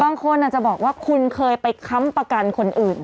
บางคนอาจจะบอกว่าคุณเคยไปค้ำประกันคนอื่น